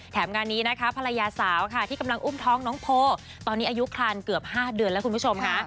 งานนี้นะคะภรรยาสาวค่ะที่กำลังอุ้มท้องน้องโพตอนนี้อายุคลานเกือบ๕เดือนแล้วคุณผู้ชมค่ะ